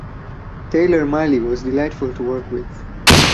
Taylor Mali was delightful to work with.